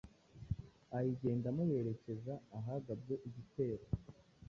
ayigendamo yerekeza ahagabwe igitero